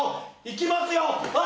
いきますよ！